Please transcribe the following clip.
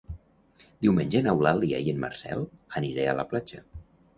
Diumenge n'Eulàlia i en Marcel aniré a la platja.